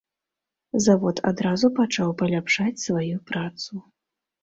Завод адразу пачаў паляпшаць сваю працу.